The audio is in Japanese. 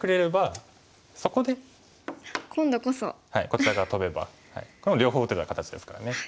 こちら側トベばこれもう両方打てた形ですからね。